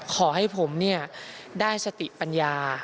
ขอให้ผมได้สติปัญญา